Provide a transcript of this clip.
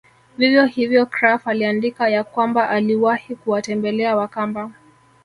Vivyo hivyo Krapf aliandika ya kwamba aliwahi kuwatembela Wakamba